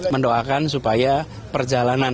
mendoakan supaya perjalanan